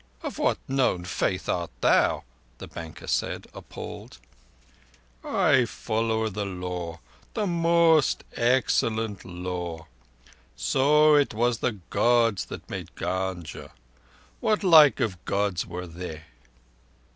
Of what known faith art thou?" the banker said, appalled. "I follow the Law—the Most Excellent Law. So it was the Gods that made Gunga. What like of Gods were they?"